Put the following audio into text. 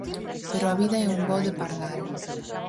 Pero a vida é un voo de pardal.